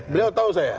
beliau tahu saya